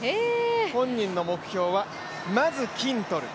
本人の目標は、まず金取る。